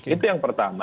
itu yang pertama